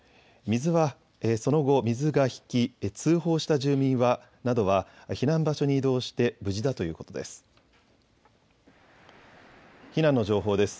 その後、水が引き通報した住民などは避難場所に移動して無事だということです。